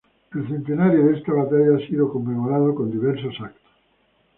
El centenario de esta batalla ha sido conmemorado con diversos actos.